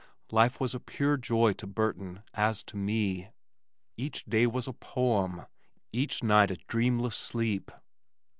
Life was a pure joy to Burton as to me. Each day was a poem, each night a dreamless sleep!